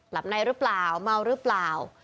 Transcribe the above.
หลับในหรือเปล่าเม้าม